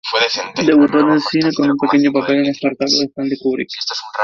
Debutó en el cine con un pequeño papel en "Espartaco" de Stanley Kubrick.